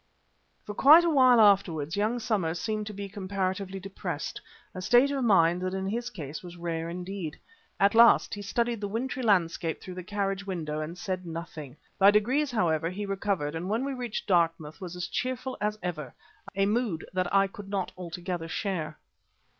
For quite a while afterwards young Somers seemed to be comparatively depressed, a state of mind that in his case was rare indeed. At last, he studied the wintry landscape through the carriage window and said nothing. By degrees, however, he recovered, and when we reached Dartmouth was as cheerful as ever, a mood that I could not altogether share.